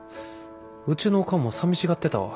うちのおかんもさみしがってたわ。